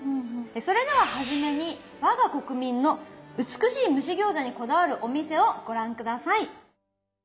それでは初めに我が国民の美しい蒸し餃子にこだわるお店をご覧下さい。